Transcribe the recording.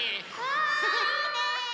あいいね。